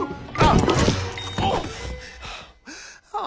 ああ！